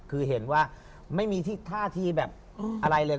คือเห็นว่าไม่มีท่าทีแบบอะไรเลย